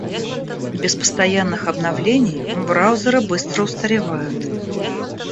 Без постоянных обновлений браузеры быстро устаревают.